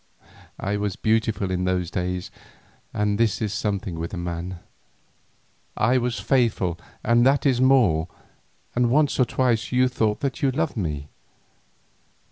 I was beautiful in those days and this is something with a man. I was faithful and that is more, and once or twice you thought that you loved me.